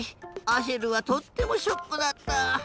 アシェルはとってもショックだった。